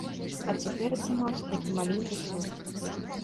А цяпер атрымаўся такі маленькі цуд.